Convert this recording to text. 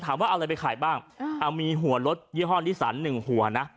ว่าเอาอะไรไปขายบ้างเอามีหัวรถยี่ห้อนิสันหนึ่งหัวนะ